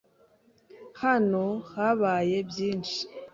Hano habaye byinshi.